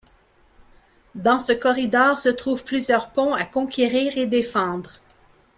Dans ce corridor se trouvent plusieurs ponts à conquérir et défendre.